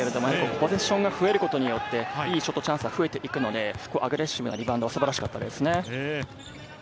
ポゼッションが増えることで、いいショットチャンスが増えていくのでアグレッシブなリバウンド、素晴らしかったです。